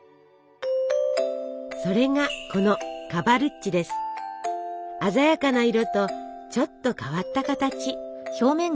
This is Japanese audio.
それがこの鮮やかな色とちょっと変わった形。